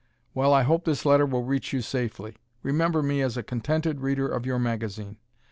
Well, I hope this letter will reach you safely. Remember me as a contented reader of your magazine.